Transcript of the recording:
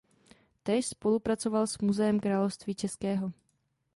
Též spolupracoval s Muzeem království českého.